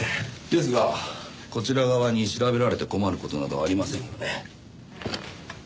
ですがこちら側に調べられて困る事などありませんよね。